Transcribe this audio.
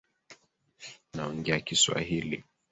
Naongea kiswahili